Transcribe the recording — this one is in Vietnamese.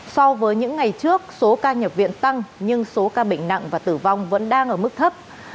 so với những ngày trước số ca nhập viện tăng nhưng số ca bệnh nặng và tử vong vẫn đang ở mức thấp